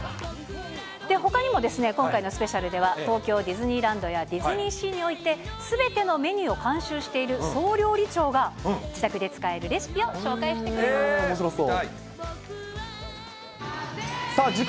ほかにも今回のスペシャルでは、東京ディズニーランドやディズニーシーにおいて、すべてのメニューを監修している総料理長が、自宅で使えるレシピおもしろそう。